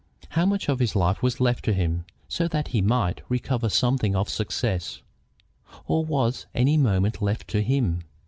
How much of life was left to him, so that he might recover something of success? Or was any moment left to him?